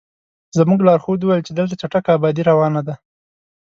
زموږ لارښود وویل چې دلته چټکه ابادي روانه ده.